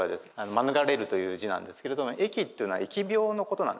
免れるという字なんですけれども「疫」っていうのは疫病のことなんですね。